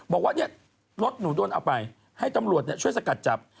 บอกว่าเนี่ยรถหนูโดนเอาไปให้ตำรวจช่วยสกัดจับ